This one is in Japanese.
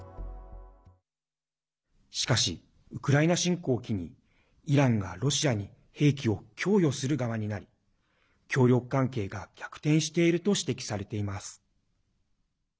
しかし、ウクライナ侵攻を機にイランがロシアに兵器を供与する側になり協力関係が逆転していると指摘されています。